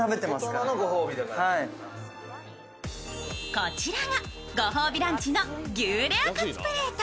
こちらがご褒美ランチの牛レアカツプレート。